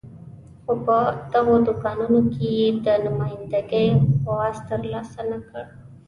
خو په دغو دوکانونو کې یې د نماینده ګۍ جواز ترلاسه نه کړ.